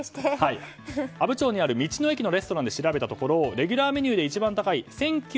阿武町にある道の駅のレストランで調べたところレギュラーメニューの１９２０円の御膳